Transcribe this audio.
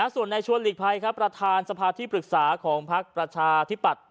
ส่วนในชวนหลีกภัยครับประธานสภาที่ปรึกษาของพักประชาธิปัตย